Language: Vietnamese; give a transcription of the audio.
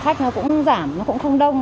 khách cũng giảm cũng không đông